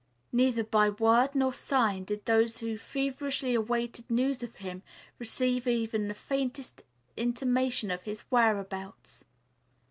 Neither by word nor sign did those who feverishly awaited news of him receive even the faintest intimation of his whereabouts.